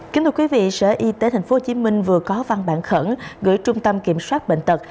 kính thưa quý vị sở y tế tp hcm vừa có văn bản khẩn gửi trung tâm kiểm soát bệnh tật